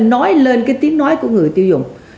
nói lên cái tiếng nói của người tiêu dùng